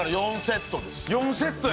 ４セットや。